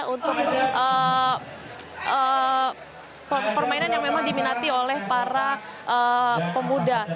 untuk permainan yang memang diminati oleh para pemuda